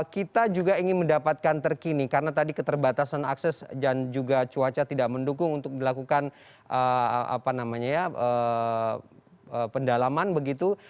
kita juga ingin mendapatkan terkini karena tadi keterbatasan akses dan juga cuaca tidak mendukung untuk dilakukan pendalaman begitu